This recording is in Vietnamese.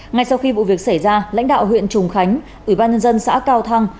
ngay sau khi vụ việc xảy ra lãnh đạo huyện trùng khánh ủy ban nhân dân xã cao thăng